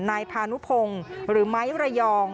นายพานุพงศ์หรือไม้ระยอง